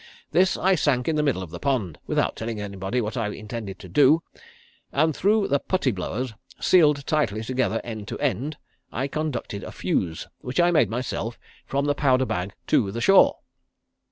This I sank in the middle of the pond, without telling anybody what I intended to do, and through the putty blowers, sealed tightly together end to end, I conducted a fuse, which I made myself, from the powder bag to the shore.